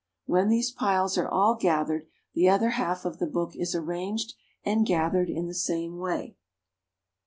When these piles are all gathered, the other half of the book is arranged, and gathered in the same way.